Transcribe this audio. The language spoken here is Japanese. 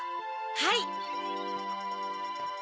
はい。